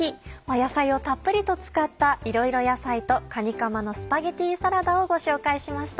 野菜をたっぷりと使った「いろいろ野菜とかにかまのスパゲティサラダ」をご紹介しました。